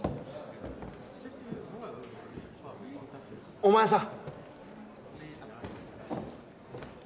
お前さん！